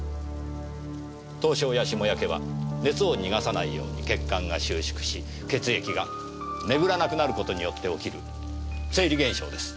凍傷やしもやけは熱を逃がさないように血管が収縮し血液がめぐらなくなることによって起きる生理現象です。